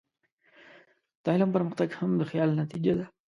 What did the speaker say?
د علم پرمختګ هم د خیال نتیجه ده.